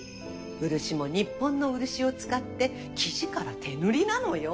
漆も日本の漆を使って木地から手塗りなのよ。